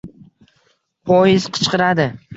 Poezd qichqiradi